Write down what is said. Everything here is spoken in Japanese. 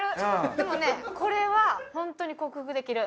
でもねこれは本当に克服できる。